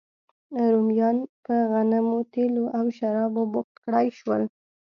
رومیان په غنمو، تېلو او شرابو بوخت کړای شول